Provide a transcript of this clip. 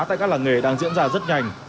tại các làng nghề đang diễn ra rất nhanh